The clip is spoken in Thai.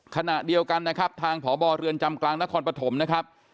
ขณะเดียวกันนะครับทางพบเรือนจำกลางนครปฐมนะครับ